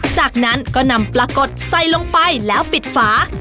จากนั้นก็นำปลากดใส่ลงไปแล้วปิดฝา